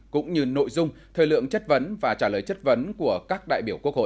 cũng như nội dung thời lượng chất vấn và trả lời chất vấn của các đại biểu quốc hội